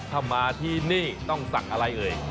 ถ้ามาที่นี่ต้องสั่งอะไรเอ่ย